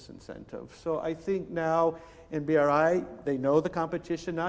jadi saya pikir sekarang di bri mereka tahu kompetisinya